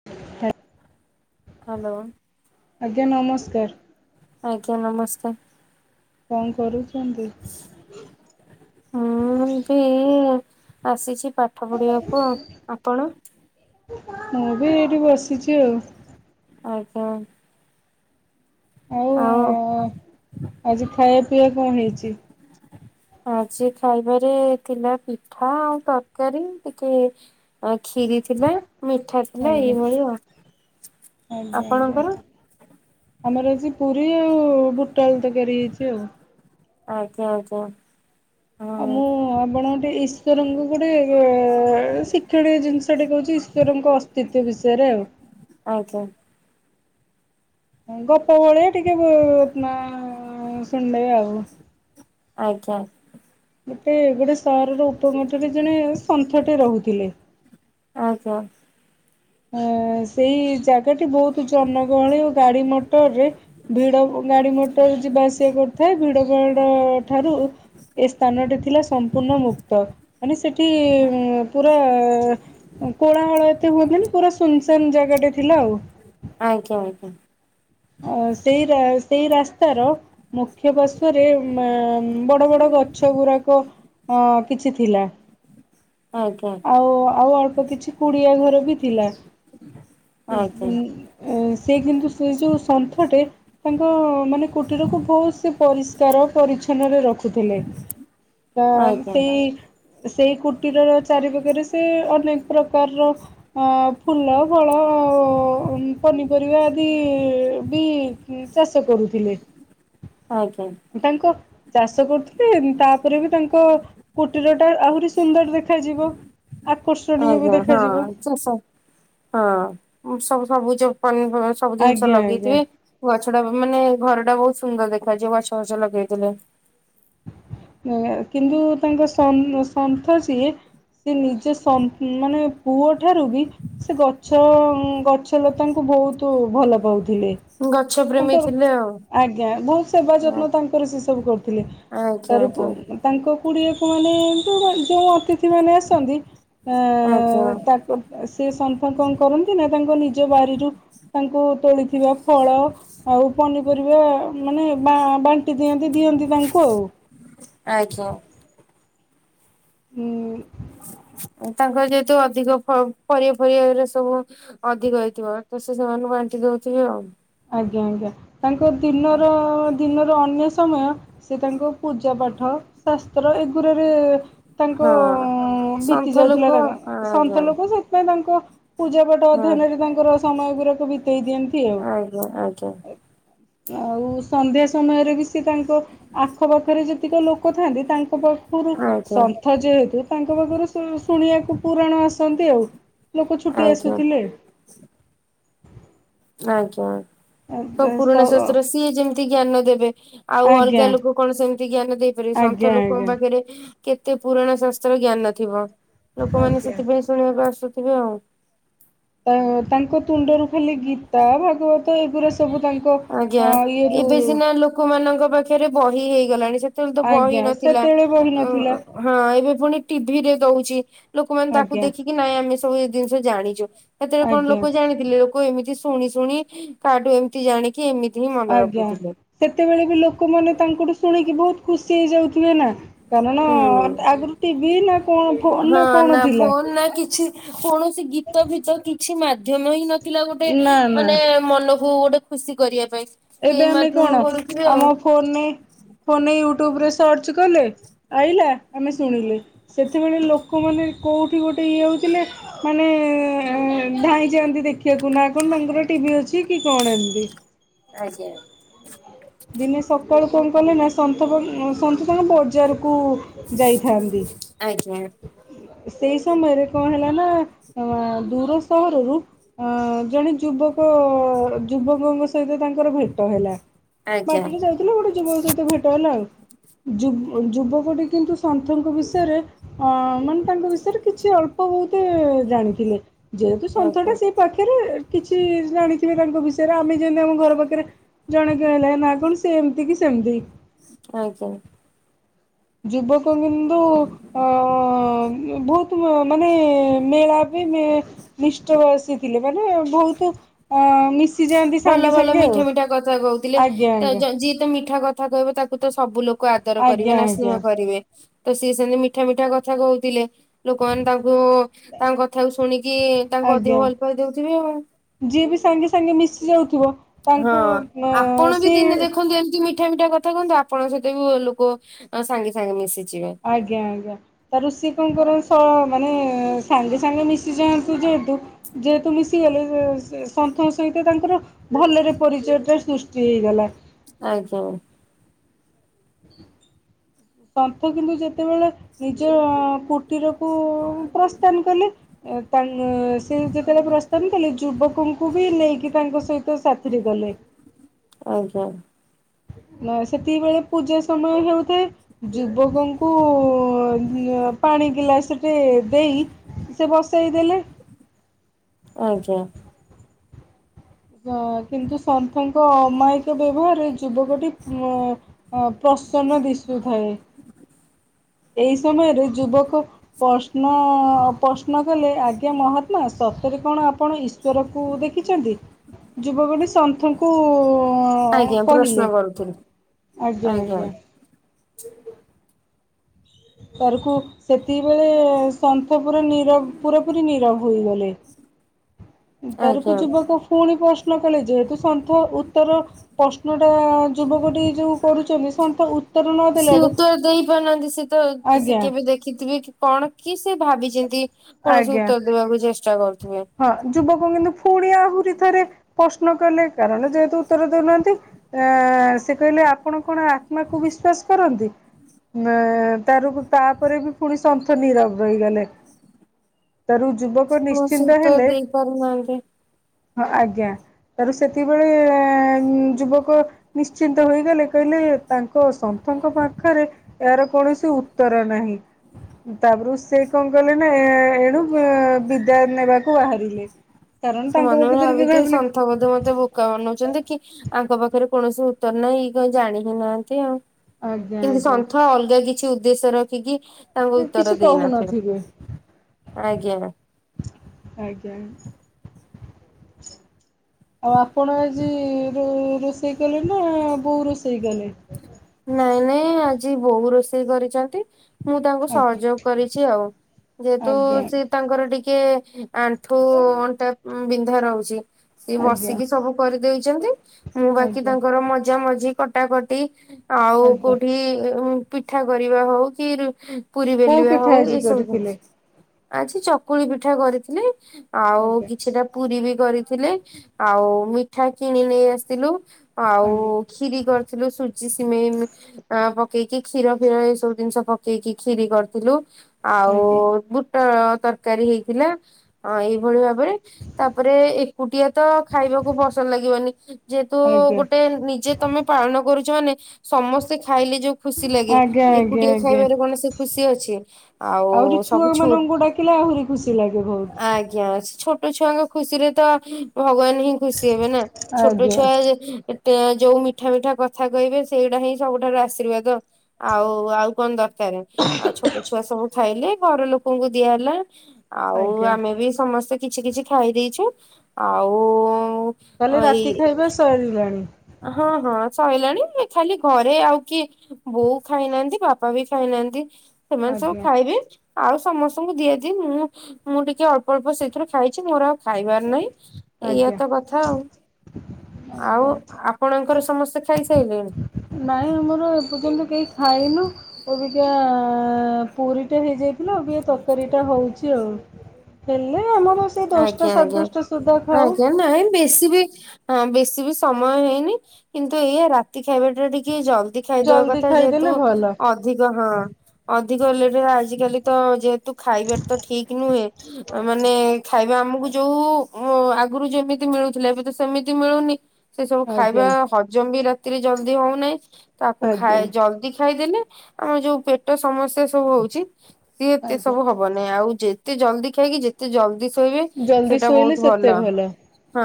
[unintelligible] Hello ଆଜ୍ଞା ନମସ୍କାର। ଆଜ୍ଞା ନମସ୍କାର। କଣ କରୁଛନ୍ତି? ମୁଁ ବି ଆସିଛି ପାଠ ପଢ଼ିବାକୁ ଆପଣ? ମୁଁ ବି ଏଇଠି ବସିଚି ଆଉ। ଆଉ କଣ? ଆଉ ଆଜି ଖାଇବା ପିଇବା କଣ ହେଇଚି? ଆଜି ଖାଇବାରେ ଥିଲା ପିଠା ଆଉ ତରକାରୀ ଟିକେ ଆ ଖିରି ଥିଲା ମିଠା ଥିଲା ଆଜ୍ଞା ଏଇଭଳି ଆଉ ଆଜ୍ଞା ଆପଣଙ୍କର? ଆଜ୍ଞା। ଆମର ଆଜି ପୁରୀ ଆଉ ବୁଟଆଳୁ ତରକାରୀ ହେଇଚି ଆଉ। ଆଜ୍ଞା ଆଜ୍ଞା ଆଜ୍ଞା। ହଁ ମୁଁ ଆପଣ ଗୋଟେଇସ୍ ଈଶ୍ୱରଙ୍କୁ ଗୋଟେ ଶିକ୍ଷଣୀୟ ଜିନିଷଟେ କହୁଚି ଈଶ୍ୱରଙ୍କ ଅସ୍ତିତ୍ୱ ବିଷୟରେ ଆଉ। ଆଜ୍ଞା। ଗପ ଭଳିଆ ଟିକେ ଶୁଣି ଦେବେ ଆଉ। [unintelligible] ଆଜ୍ଞା। ଗୋଟେ ଗୋଟେ ସହରର ଉପମଠରେ ଜଣେ ସନ୍ଥଟେ ରହୁଥିଲେ। ଆଜ୍ଞା। ଅ ସେଇ ଜାଗାଟି ବହୁତୁ ଜନଗହଳି ଓ ଗାଡି ମଟରରେ ଭିଡ ଗାଡି ମଟର ଯିବା ଆସିବା କରୁଥାଏ ଭିଡ଼ ବଡ଼ ଠାରୁ ଏ ସ୍ଥାନଟି ଥିଲା ସମ୍ପୂର୍ଣ୍ଣ ମୁକ୍ତ ମାନେ ସେଠି ପୁର କୋଳାହଳ ଏତେ ହୁଅନ୍ତିନି ପୁରା ସୁନସାନ ଜାଗା ଟେ ଥିଲା ଆଉ। ଆଜ୍ଞା ଆଜ୍ଞା। ଅଉ ସେଇ ରା ସେଇ ରାସ୍ତା ର ମୁଖ୍ୟ ପାର୍ଶ୍ଵରେ ଉମା ବଡ ବଡ ଗଛ ଗୁରାକ ଅ କିଛି ଥିଲା। ଆଜ୍ଞା। ଆଉ ଆଉ ଅଳ୍ପ କିଛି କୁଡିଆ ଘର ବି ଥିଲା। ଆଜ୍ଞା ଆଜ୍ଞା ଏଁ ସେ କିନ୍ତୁ ସେ ଯୋଉ ସନ୍ଥଟେ ତାଙ୍କ ମାନେ କୁଟୀରକୁ ବହୁତୁ ସେ ପରିଷ୍କାର ପରିଚ୍ଛନ୍ନରେ ରଖୁଥିଲେ। ତ ସେଇ ସେଇ କୁଟୀର ର ଚାରିପାଖରେ ସେ ଅନେକ ପ୍ରକାରର ହଁ ଫୁଲ ଫଳ ଆଉ ପନିପରିବା ଆଦି ବି ଉଁ ଚାଷ କରୁଥିଲେ। ଆଜ୍ଞା। ତାଙ୍କ ଚାଷ କରୁଥିଲେ ତାପରେ ବି ତାଙ୍କ କୁଟୀର ଟା ଆହୁରି ସୁନ୍ଦର ଦେ ଦେଖାଯିବ ଆକର୍ଷଣୀୟ ବି ଦେଖାଯିବ। ଚାଷ ହଁ ସବୁ ସବୁଜ ପନି ସବୁ ଜିନିଷ ଆଜ୍ଞା ଆଜ୍ଞା। ଲଗେଇଥିବେ। ଗଛ ଟା ମାନେ ଘର ଟା ବହୁତୁ ସୁନ୍ଦର ଦେଖ ଯିବ ଗଛ ଫଛ ଲଗେଇଥିଲେ। କିନ୍ତୁ ତାଙ୍କ ସନ ସନ୍ଥ ସିଏ। ସେ ନିଜେ ସ ମାନେ ପୁଅ ଠାରୁ ବି ସେ ଗଛ ଗଛ ଲତାଙ୍କୁ ବହୁତୁ ଭଲ ପାଉଥିଲେ। ଗଛ ପ୍ରେମୀ ତାଙ୍କର ଥିଲେ ଆଉ ଆଜ୍ଞା ବହୁତୁ ସେବା ଯତ୍ନ ତାଙ୍କର ସେ ସବୁ କରୁଥିଲେ। ଆଚ୍ଛା ତାର ଆଚ୍ଛା। ତାଙ୍କ କୁଡ଼ିଆକୁ ମାନେ ଯେଉଁ ଯେଉଁ ଅତିଥିମାନେ ଆସନ୍ତି। ଆଜ୍ଞା। ଆଁ ତାକୁ ସେ ସାଙ୍ଗେ ସାଙ୍ଗେ କଣ କରନ୍ତି ନା ତାଙ୍କ ନିଜ ବାରିରୁ ତାଙ୍କୁ ତୋଳିଥିବା ଫଳ। ଆଉ ପନିପରିବା ମାନେ ବାଣ୍ଟି ଦିଅନ୍ତି ଦିଅନ୍ତି ତାଙ୍କୁ ଆଉ। ଆଜ୍ଞା। ହୁଁ। ତାଙ୍କର ଯେହେତୁ ଅଧିକ ପରିବା ଫରିବା ସବୁ ଅଧିକ ହେଇଥିବ ତ ସେ ସେମାନଙ୍କୁ ବାଣ୍ଟି ଦଉଥିବେ ଆଉ। ଆଜ୍ଞା ଆଜ୍ଞା ତାଙ୍କ ଦିନର ଦିନର ଅନ୍ୟ ସମୟ। ସେ ତାଙ୍କ ପୂଜା ପାଠ ଶାସ୍ତ୍ର ଏଗୁରାରେ ତାଙ୍କ ହଁ ବିତି ସନ୍ଥ ଲୋକ ଯାଉଥିଲା ତାଙ୍କ ଆଜ୍ଞା। ସନ୍ଥ ଲୋକ ସେଥିପାଇଁ ତାଙ୍କ ପୂଜାପଠ ହଁ ଅଧ୍ୟୟନରେ ତାଙ୍କର ସମୟ ଗୁରାକ ବିତେଇ ଦିଅନ୍ତି ଆଉ। ହଁ ଆଜ୍ଞା। ହ। ଆଉ ସନ୍ଧ୍ୟା ସମୟରେ ବି ସେ ତାଙ୍କ ଆଖପାଖରେ ଯେତିକି ଲୋକ ଥାଆନ୍ତି ତାଙ୍କ ରୁ ଆଜ୍ଞା ସନ୍ଥ ଯେହେତୁ ତାଙ୍କ ପାଖରୁ ଶୁଣିବାକୁ ପୁରାଣ ଆସ ଆସନ୍ତି ଆଉ ଲୋକ ଛୁଟି ଆଜ୍ଞା ଆସୁଥିଲେ। ଆଜ୍ଞା ପୁରୁଣା ଶାସ୍ତ୍ର ସିଏ ଯେମିତି ଜ୍ଞାନ ଦେବେ ଆଉ ଆଜ୍ଞା ଅଲଗା ଲୋକ। କଣ ସେମିତି ଜ୍ଞାନ ଦେଇପାରିବି ଆଜ୍ଞା ସନ୍ଥ ଲୋକଙ୍କ ଆଜ୍ଞା। ପାଖରେ କେତେ ପୁରାଣା ଶାସ୍ତ୍ର ଜ୍ଞାନ ଥିବ। ଲୋକମାନେ ଆଜ୍ଞା। ସେଥିପାଇଁ ଶୁଣିବାକୁ ଆସୁଥିବେ ଆଉ। ତାଙ୍କ ତୁଣ୍ଡରୁ ଖାଲି ଗୀତା ଭାଗବତ ଏଗୁରା ସ ସବୁ ତାଙ୍କ ଇଏରୁ ଲୋକ ମାନଙ୍କ ପାଖରେ ବହି ହେଇଗଲାଣି ସେତେବେଳେ ତ ବହି ଆଜ୍ଞା ନଥିଲା। ସେତେବେଳେ ବହି ନଥିଲା ହଁ ଏବେ ପୁଣି ଟିଭିରେ ଦଉଛି ଲୋକମାନେ ତାକୁ ଆଜ୍ଞା ଦେଖିକି କି ନାଇଁ ଆମେ ସବୁ ଜିନିଷ ଜାଣିଛୁ ସେତରେଳେ କଣ ଆଜ୍ଞା ଲୋକ ଜାଣିଥିଲେ। ଏମିତି ଶୁଣି ଶୁଣି କାଠୁ ଏମିତି ଜାଣିକି ଏମିତି ହିଁ ମନେ ଆଜ୍ଞା ରଖୁଥିଲେ ସେତେବେଳେ ବି ଲୋକମାନେ ତାଙ୍କଠୁ ଶୁଣିକି ବହୁତ ଖୁସି ହେଇଯାଉଥିବେ ନା। କାରଣ ହୁଁ ଆଗୁରୁ ଟିଭି ନା କଣ ଫୋନ ହଁ ନା କଣ ଥିଲା। ଫୋନ ନା କିଛି କୌଣସି ଗୀତ ଭିତ କିଛି ମାଧ୍ୟମ ହିଁ ନଥିଲା ଗୋଟେ ନା ନା। ମାନେ ମନକୁ ଗୋଟେ ଖୁସି କରିବା ପାଇଁ। ସେଇ ଏବେ ଆମେ ମାଧ୍ୟମ କଣ କରୁଥିବେ ଆଉ। ଆମ ଫୋନ ଫୋନ ୟୁଟ୍ୟୁବରେ ସର୍ଚ୍ଚ କଲେ। ଆଇଲା ଆମେ ଶୁଣିଲେ ସେତେବେଳେ ଲୋକମାନେ କୋଉଠି ଗୋଟେ ଇଏ ହଉଥିଲେ। ମାନେ ଧାଇଁ ଯାଆନ୍ତି ଦେଖିବାକୁ ନା କଣ ତାଙ୍କର ଟିଭି ଅଛି କି କଣ ଏମିତି। ଆଜ୍ଞା। ଦିନେ ସକାଳୁ କଣ କଲେ ନା ସନ୍ଥ ସନ୍ଥ ତାଙ୍କ ବଜାରକୁ। ଯାଇଥାନ୍ତି। ଆଜ୍ଞା ସେଇ ସମୟରେ କଣ ହେଲା ନା ଦୂର ସହରରୁ। ଅଁ ଜଣେ ଯୁବକ ଯୁବକଙ୍କ ସହିତ ତାଙ୍କର ଭେଟ ହେଲା। ଆଜ୍ଞା ବାଟରେ ଯାଇଥିଲା ଗୋଟେ ଯୁବକ ସହିତ ଭେଟ ହେଲା ଆଉ। ଯୁବକଟି କିନ୍ତୁ ସନ୍ଥଙ୍କ ବିଷୟରେ। ହଁ ମାନେ ତାଙ୍କ ବିଷୟରେ କିଛି ଅଳ୍ପ ବହୁତୁ ଜାଣିଥିଲେ। ଯେହେତୁ ସନ୍ଥ ଆଜ୍ଞା ଟା ସେ ପାଖରେ କିଛି ଜାଣି ଥିବେ ତାଙ୍କ ବିଷୟରେ ଆମେ ଯେମିତି ଆମ ଘର ପାଖରେ ଜଣେକଣ ହେଲା ନା କଣ ସେ ଏମିତି କିି ସେମିତି। ଆଜ୍ଞା। ଯୁବକ କିନ୍ତୁ ଅ ବହୁତ ମାନେ ମେଳା ଇ ମି ମିଷ୍ଟର ଆସିଥିଲେ ମାନେ ଭଉତୁ ଅ ନି ଭଲ ଭଲ ମିଠା ମିଠା କଥା ଆଜ୍ଞା କହୁଥିଲେତ ଆଜ୍ଞା ଯିଏ ତ ମିଠା କଥା କହିବ ତାକୁ ତ ସବୁ ଲୋକ କୁ ଆଦର କରିବେ ଆଜ୍ଞା ନା ଆଜ୍ଞା ସ୍ନେହ କରିବେ ତ ସିଏ ସେମିତି ମିଠା ମିଠା କଥା କହୁଥିଲେ। ଲୋକମାନେ ତାଙ୍କୁ ତାଙ୍କ କଥାକୁ ଶୁଣିକି ତାଙ୍କୁ ଆଜ୍ଞା ଅଧିକ ଭଲ ପାଇଁ ଦଉଥିବେ ଆଉ। ଯିଏ ବି ସାଙ୍ଗେ ସାଙ୍ଗେ ମିଶି ଯାଉଥିବ। ହଁ ତାଙ୍କୁ ଅ ଆପଣ ବି ସିଏ ଦିନେ ଦେଖନ୍ତୁ ଏମିତି ମି ମିଠା ମିଠା କଥା କୁହନ୍ତୁ ଆପଣଙ୍କ ସହିତ ବି ଲୋକ ସାଙ୍ଗେ ସାଙ୍ଗେ ମିଶିଯିବେ। ଆଜ୍ଞା ଆଜ୍ଞା। ତା ରୋଷେଇ କଣ କର ମାନେ ସାଙ୍ଗେ ସାଙ୍ଗେ ମିଶି ଯାଆନ୍ତୁ ଯେହେତୁ ଯେହେତୁ ମିଶିଗଲେ ସନ୍ଥଙ୍କ ସହିତ ତାଙ୍କର ଭଲରେ ପରିଚୟଟା ସୃଷ୍ଟି ହେଇଗଲା। ଆଜ୍ଞା ସନ୍ଥ କିନ୍ତୁ ଯେତେବେଳେ ନିଜ କୁଟୀରକୁ ପ୍ରସ୍ଥାନ କଲେ। ତା ସେ ଯେତେବେଳେ ପ୍ରସ୍ତାବ କଲେ ଯୁବକଙ୍କୁ ବି ନେଇକି ତାଙ୍କ ସହିତ ସାଥିରେ ଗଲେ। ଆଜ୍ଞା। ନା ସେତିିବଳେ ପୂଜା ସମୟ ହେଉଥାଏ। ଯୁବକଙ୍କୁ ଆ ପାଣି ଗିଲାସ ଟେ ଦେଇ ସେ ବସେଇ ଦେଲେ। ଆଜ୍ଞା। ଅ କିନ୍ତୁ ସନ୍ଥଙ୍କ ଅମାୟିକ ବ୍ୟବହାରରେ ଯୁବକଟିଉଁ ଅ ପ୍ରସନ୍ନ ଦିଶୁଥାଏ। ଏହି ସମୟରେ ଯୁବକ ପ୍ରଶ୍ନ ପ୍ରଶ୍ନ କଲେ ଆଜ୍ଞା ମହାତ୍ମା ସତରେ କଣ ଆପଣ ଇ ଜ୍ୱରକୁ ଦେଖିଛନ୍ତି ଯୁବକଢ଼ି ସନ୍ଥଙ୍କୁ ଉଁ ହ ଆଜ୍ଞା କହିଲେ ପ୍ରଶ୍ନ କରୁଥିଲି ଆଜ୍ଞା ଆଜ୍ଞା। ତରକୁ ସେତିକିବେଳେ ସନ୍ଥ ପୁରା ନିରବ ପୁରା ପୁରୀ ନିରବ ହେଗଲେ ତାରକୁ ଆଜ୍ଞା ଯୁବକ ପୁଣି ପ୍ରଶ୍ନ କଲେ ଯେହେତୁ ସନ୍ଥ ଉତ୍ତର ପ୍ରଶ୍ନ ଟା ଯୁବକ ଟି ଯୋଉ କରୁଛନ୍ତି ସନ୍ତ ଉତ୍ତର ନ ସିଏ ଦେଲାଡୁ ଉତ୍ତର ଦେଇ ପାରୁନାହାନ୍ତି ସେ ତ ସେ କେବେ ଦେଖିଥିବେ କି କଣ କି ସେ ଭାବିଛନ୍ତି। କୌଣସି ଆଜ୍ଞା। ଉତ୍ତର ଦେବାକୁ ଚେଷ୍ଟା କରୁଥିବେ। ହଁ ଯୁବକ କିନ୍ତୁ ପୁଣି ଆହୁରି ଥରେ ପ୍ରଶ୍ନ କଲେ କାରଣ ଯେହେତୁ ଉତ୍ତର ଦଉନାହାନ୍ତି। ଆ ସେ କହିଲେ ଆପଣ କଣ ଆତ୍ମାକୁ ବିଶ୍ଵାସ କରନ୍ତି? ନା ତାର ତାପରେ ବି ପୁଣି ସନ୍ଥ ନିରବ ରହିଗଲେ। ତାରୁ ଯୁବଗ ନି ସନ୍ତ ଦେଇପାରୁନାହାନ୍ତି। ହଁ ଆଜ୍ଞା ତାର ସେତିବେଳେ ଏ ଯୁବକ ନିଶ୍ଚିନ୍ତ ହେଗଲେ କହିଲେ ତାଙ୍କ ସନ୍ଥଙ୍କ ପାଖରେ ଏହାର କୌଣସି ଉତ୍ତର ନାହିଁ। ତାପରେ ସେ କଣ କଲେ ନା ଏଣୁ ଏ ବିଦାୟ ନେବାକୁ ବାହାରିଲେ। କାରଣ ତାଙ୍କ ସେମାନେ ପ୍ରକୃତିରେ କି ଭାବିଥିବେ ଭାବିଲେ ସନ୍ଥ ବୋଧେ ମତେ କ ବନଉଛନ୍ତି କି ଆଙ୍କ ପାଖରେ କୌଣସି ଉତ୍ତର ନାହିଁ ଏଇ କ ଜାଣି ହିଁ ନାହାନ୍ତି ଆଉ। ଆଜ୍ଞା କିନ୍ତୁ ଆଜ୍ଞା ସନ୍ଥ ଅଲଗା କିଛି ଉଦ୍ଦେଶ୍ୟ ରଖିକି ତାଙ୍କୁ କିଛି ଉତ୍ତର ଦେଇ ନଥିବ କହୁନଥିବେ ଆଜ୍ଞା। ଆଜ୍ଞା। ଆଉ ଆପଣ ଏଜି ରୋଷେଇ ସେଇ କଲେ ନା ବୋଉ ରୋଷେଇ କଲେ? ନାଇଁ ନାଇଁ ଆଜି ବୋଉ ରୋଷେଇ କରିଚନ୍ତି ମୁଁ ତାଙ୍କୁ ଆଜ୍ଞା ସହଯୋଗ କରିଛି ଆଉ, ଯେହେତୁ ଆଜ୍ଞା ସେ ତାଙ୍କର ଟିକେ ଆଣ୍ଠୁ, ଅଣ୍ଟା ବିନ୍ଧା ରହୁଚି ସିଏ ଆଜ୍ଞା ବସିକି ସବୁ କରିଦଉଛନ୍ତି, ମୁଁ ବାକି ଆଜ୍ଞା ତାଙ୍କର ମଜା ମଜି, କଟାକଟି ଆଉ ଆଜ୍ଞା। କୋଉଠି ପିଠା କରିବା ହଉ କି-ରୁ- ପୁରୀ କୋଉ ବେଲିବା ପିଠା ହଉ ଏ ଆଜି ସବୁ‌ ଜିନ୍ କରିଥିଲେ? ଆଜି ଚକୁଳି ପିଠା କରିଥିଲି, ଆଉ ଆଜ୍ଞା କିଛିଟା ପୁରୀ ବି କରିଥିଲି। ଆଉ ମିଠା କିଣି ନେଇ ଆସିଥିଲୁ ଆଉ ଆଜ୍ଞା କ୍ଷୀରି କରିଥିଲୁ ସୁଜି, ସି ମେଇ--ପକେଇକି କ୍ଷୀର ଫିର ଏ ସବୁ ଜିନିଷ ପକେଇକି କ୍ଷିରୀ‌ କରିଥିଲୁ ଆଜ୍ଞା ଆଉ ଆଜ୍ଞା ବୁଟ ତରକାରୀ ହେଇଥିଲା, ଆ ଏଇଭଳି ଆଜ୍ଞା ଭାବରେ ତାପରେ ଏକୁଟିଆ ତ ଖାଇବାକୁ ପସନ୍ଦ ଲାଗିବନି, ଯେହେତୁ ଗୋଟେ ନିଜେ ତମେ ପାଳନ କରୁଛ ମାନେ ସମସ୍ତେ ଖାଇଲେ ଯୋଉ ଖୁସି ଲାଗେ ଆଜ୍ଞା ଆଜ୍ଞା ଏକୁଟିଆ ଆଜ୍ଞା ଖାଇବାରେ କଣ ସେ ଖୁସି ଅଛି? ଆଉ ସବୁ ଛୁ- ଥିଲେ ଆହୁରି ଖୁସି ଲାଗେ ବହୁତ ଆଜ୍ଞା ଅଛି ଛୋ ଛୋଟ ଛୁଆଙ୍କ ଖୁସି ରେ ତ ଭଗବାନ ହିଁ ଖୁସି ହେବେ ନା, ଛୋଟ ଆଜ୍ଞା ଛୁଆ ଯେ ଏତେ ଯୋଉ ମିଠା ମିଠା କଥା କହିବେ ସେଇଟା ହିଁ ସବୁଠାରୁ ଆଶୀର୍ବାଦ ଆଉ ଆଉ କଣ ଦରକାର ଆଉ ଛୋଟ ଛୁଆ ସବୁ ଖାଇଲେ ଘର ଲୋକଙ୍କୁ ଦିଆହେଲା, ଆଉ ଆଜ୍ଞା ଆମେ ବି ସମସ୍ତେ କିଛି କିଛି ଖାଇ ଦେଇଛୁ ଆଉ ତାହାଲେ ରାତି ଏଇ ଖାଇବା ସରିଲାଣି? ହଁ ହଁ ସଇଲାଣି, ଖାଲି ଘରେ ଆଉ କିଏ ବୋଉ ଖାଇନାହାନ୍ତି, ବାପା ବି ଖାଇନାହାନ୍ତି, ସେମାନେ ସବୁ ଆଜ୍ଞା ଖାଇବେ ଆଉ ସମସ୍ତଙ୍କୁ ଦିଆଦି ମୁଁ ମୁଁ ଟିକେ ଅଳ୍ପ ଅଳ୍ପ ସେଥିରୁ ଖାଇଚି ମୋର ଆଉ ଖାଇବାର ନାଇଁ ଏୟା ଆଜ୍ଞା ତ କଥା ଆଉ, ଆଉ ଆଜ୍ଞା ଆପଣଙ୍କର ସମସ୍ତେ ଖାଇସାଇଲେଣି? ନାଇଁ, ଆମର ଏପର୍ଯ୍ୟନ୍ତ କେହି ଖାାଇନୁ ଅବିକା--ପୁରି ଟା ହେଇଯାଇଥିଲା, ଅବିକା ତରକାରୀ ଟା ହଉଚି ଆଉ। ହେଲେ ଆମର ସେ ଆଜ୍ଞା, ଆଜ୍ଞା, ଆଜ୍ଞା। ନାଇଁ ବେଶି ବି ହଁ ବେଶି ବି ସମୟ ହେଇନି, କିନ୍ତୁ ଏଇଆ ରା ତି ଖାଇବା ଟା ଟିକେ ଜଲ୍ଦି ଖାଇଦବା ଜଲ୍ଦି କଥା, ଯେହେତୁ ଖାଇଦେଲେ ଭଲ ଅ ଅଧିକ ହଁ ଅଧିକ ଲେଟ ଆଜିକାଲି ତ ଯେହେତୁ ଖାଇବା ତ ଠିକ ନୁହେଁ ମାନେ ଖାଇବା ଆମକୁ ଯୋଉ ଆଗରୁ ଯେମିତି ମିଳୁଥିଲା ଏବେ ତ ସେମିତି ମିଳୁନି ସେ ସବୁ ଖାଇବା ଆଜ୍ଞା ହଜମ ବି ରାତିରେ ଜଲଦି ହଉନାହିଁ। ତାକୁ ଖାଇ ଆଜ୍ଞା ଜଲଦି ଖାଇଦେଲେ ଆମର ଯୋଉ ପେଟ ସମସ୍ୟା ସବୁ ହଉଚି ସିଏ ଏତେ ସବୁ ଆଜ୍ଞା ହବନାଇଁ ଆଉ ଯେତେ ଜଲଦି ଖାଇକି ଯେତେ ଜଲଦି ଶୋ ଜଲ୍ଦି ସେଟା ଶୋଇଲେ ବହୁତ ଭଲ। ସେତେ ହଁ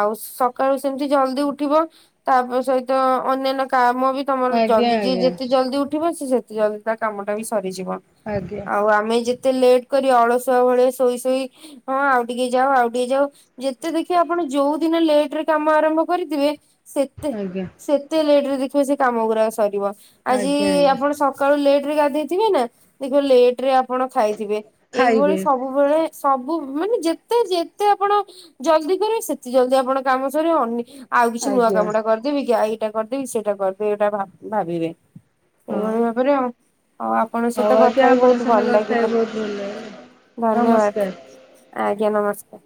ଆଉ ସକାଳୁ ସେମିତି ଜଲଦି ଉଠିବ। ତାପ ସହିତ ଅନ୍ୟାନ୍ୟ କାମ ବି ତମର ଆଜ୍ଞା ଜଲଦି ଯିଏ ଆଜ୍ଞା ଯେତେ ଜଲଦି ଉଠିବ ସେ ସେତେ ଜଲଦି ତା କାମଟା ବି ସରିଯିବ। ଆଜ୍ଞା। ଆଉ ଆମେ ଯେତେ ଲେଟ୍ କରି ଅଳସୁଆ ଭଳିଆ ଶୋଇ ଶୋଇ ହଁ ଆଉ ଟିକେ ଯାଉ ଆଉ ଟିକେ ଯାଉ ଯେତେ ଦେଖିବ ଆପଣ ଯୋଉ ଦିନ ଲେଟ ରେ କାମ ଆରମ୍ଭ କରିଥିବେ ସେତେ ଆଜ୍ଞା ସେ ତେ ଲେଟରେ ଦେଖିବେ ସେ କାମ ଗୁରାକ ସରିବ, ଆଜି ଆଜ୍ଞା ଆଜ୍ଞା ଆପଣ ସ କାଳୁ ଲେଟ ରେ ଗାଧେଇଥିବେ ନା ଦେଖିବେ ଲେଟ ରେ ଆପଣ ଖାଇଥିବେ ଏଇଭଳି ଖାଇବେ ସବୁବେଳେ ସବୁ ମାନେ ଯେତେ ଯେତେ ଆପଣ ଜଲଦି କରିବେ ସେତେ ଜଲଦି ଆପଣ କାମ ସରିବେ ଅନି ଆଉ କିଛି ନୂଆ ଆଜ୍ଞା କାମଟା କରିଦେବି କି, ଏଇଟା କରିଦେବି ସେଇଟା କରିଦେବି ଏଇଟା ଭା ଭାବିବେ। ହଁ ଏଇଭଳି ଭାବରେ ଆ ଆ ଆ ପଣ ସହିତ ହଉ କଥା ଆଜ୍ଞା ହେଇ ଆପଣଙ୍କ ବୋହୁତ ସାଙ୍ଗେ ଭଲ କଥା ଲାଗିଲା ହେଇ ବହୁତ ଭଲ ଲାଗିଲା ଧନ୍ୟବାଦ। ନମସ୍କାର। ଆଜ୍ଞା ନମସ୍କାର।